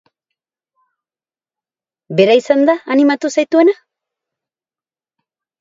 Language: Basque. Bera izan da animatu zaituena?